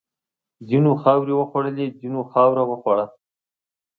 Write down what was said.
ځینو خاورې وخوړلې، ځینو خاوره وخوړه.